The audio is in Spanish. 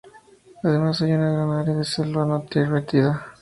Además, hay una gran área de selva no intervenida.